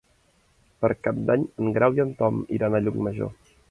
Per Cap d'Any en Grau i en Tom iran a Llucmajor.